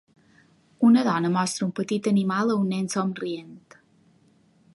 una dona mostra un petit animal a un nen somrient.